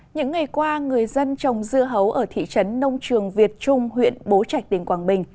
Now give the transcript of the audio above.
những ngày qua người dân trồng dưa hấu ở thị trấn nông trường việt trung huyện bố trạch đình quảng bình